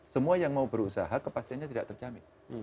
semua yang mau berusaha kepastiannya tidak terjamin